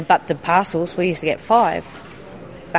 tapi pasirnya kami selalu mendapatkan empat